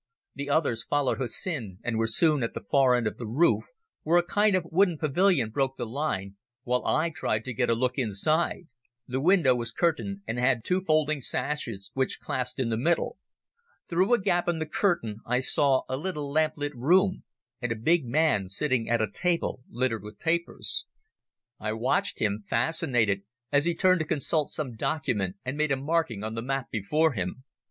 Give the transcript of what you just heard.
The others followed Hussin and were soon at the far end of the roof, where a kind of wooden pavilion broke the line, while I tried to get a look inside. The window was curtained, and had two folding sashes which clasped in the middle. Through a gap in the curtain I saw a little lamp lit room and a big man sitting at a table littered with papers. I watched him, fascinated, as he turned to consult some document and made a marking on the map before him.